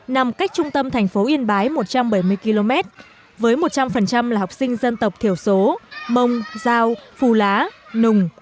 nằm cách trung tâm thành phố yên bái một trăm bảy mươi km với một trăm linh là học sinh dân tộc thiểu số mông giao phù lá nùng